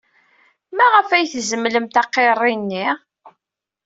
Maɣef ay tzemlemt aqirri-nni?